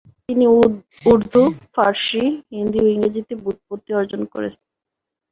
তিনি উর্দু, ফারসি, হিন্দি ও ইংরেজিতে ব্যুৎপত্তি অর্জন করেন।